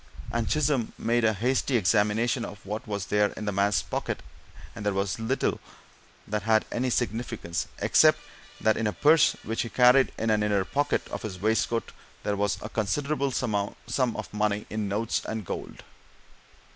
And Chisholm made a hasty examination of what there was in the man's pockets, and there was little that had any significance, except that in a purse which he carried in an inner pocket of his waistcoat there was a considerable sum of money in notes and gold.